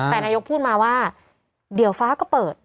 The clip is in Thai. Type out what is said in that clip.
แต่นายกพูดมาว่าเดี๋ยวฟ้าก็เปิด